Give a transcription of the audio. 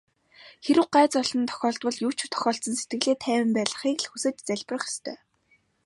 Хэрэв гай зовлон тохиолдвол юу ч тохиолдсон сэтгэлээ тайван байлгахыг л хүсэж залбирах ёстой.